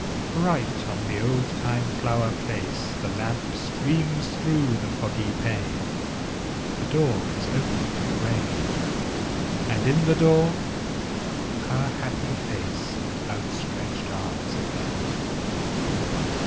Bright on the oldtime flower place The lamp streams through the foggy pane; The door is opened to the rain: And in the door her happy face And outstretched arms again.